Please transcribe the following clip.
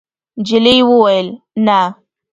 نجلۍ وویل: «نه.»